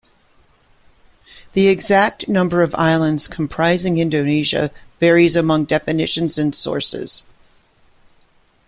The exact number of islands comprising Indonesia varies among definitions and sources.